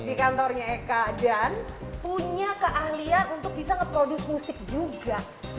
di kantornya eka dan punya keahlian untuk bisa nge produce musik juga